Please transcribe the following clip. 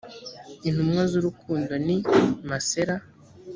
intumwa z urukundo ni masera